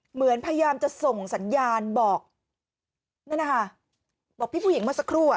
เหมือนพยายามจะส่งสัญญาณบอกนั่นนะคะบอกพี่ผู้หญิงเมื่อสักครู่อ่ะ